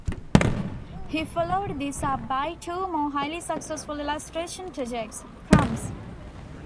He followed this up by two more highly successful illustration projects - Crumbs!